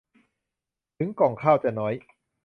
ถึงก่องข้าวจะน้อย